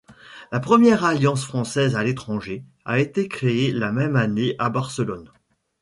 La première Alliance française à l'étranger a été créée la même année à Barcelone.